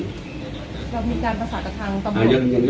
เรามีการประสานกับทางตำรวจ